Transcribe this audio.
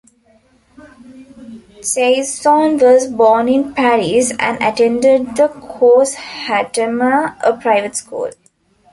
Cheysson was born in Paris and attended the Cours Hattemer, a private school.